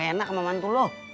bagaimana kemaman dulu